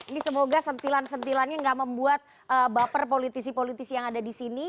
ini semoga sentilan sentilannya gak membuat baper politisi politisi yang ada disini